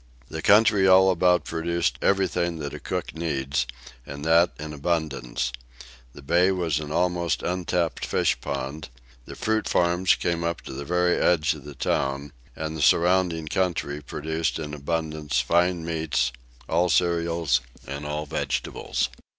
The country all about produced everything that a cook needs, and that in abundance the bay was an almost untapped fish pond, the fruit farms came up to the very edge of the town, and the surrounding country produced in abundance fine meats, all cereals and all vegetables.